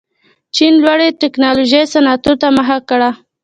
چین لوړې تکنالوژۍ صنعتونو ته مخه کړه.